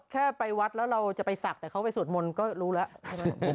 แค่ไปวัดแล้วเราจะไปศักดิ์แต่เขาไปสวดมนต์ก็รู้แล้วใช่ไหม